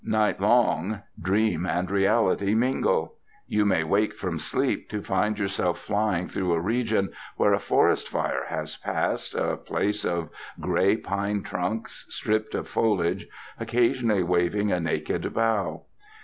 Night long, dream and reality mingle. You may wake from sleep to find yourself flying through a region where a forest fire has passed, a place of grey pine trunks, stripped of foliage, occasionally waving a naked bough.